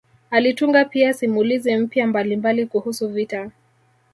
Alitunga pia simulizi mpya mbalimbali kuhusu vita